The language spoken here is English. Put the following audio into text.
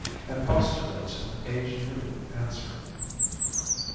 and postulates an age new answer.